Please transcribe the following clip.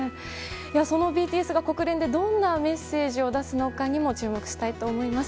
そのＢＴＳが国連でどんなメッセージを出すのかにも注目したいと思います。